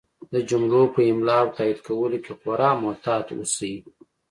د جملو په املا او تایید کولو کې خورا محتاط اوسئ!